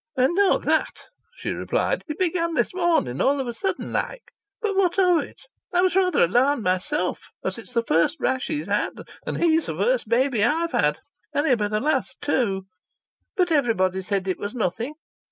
"I know that," she replied. "It began this morning, all of a sudden like. But what of it? I was rather alarmed myself, as it's the first rash he's had and he's the first baby I've had and he'll be the last too. But everybody said it was nothing.